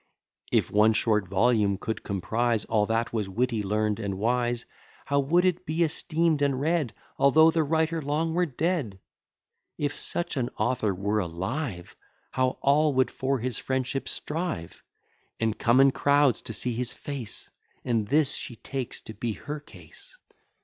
If one short volume could comprise All that was witty, learn'd, and wise, How would it be esteem'd and read, Although the writer long were dead! If such an author were alive, How all would for his friendship strive, And come in crowds to see his face! And this she takes to be her case.